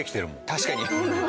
確かに。